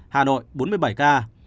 hà nội bốn mươi bảy ca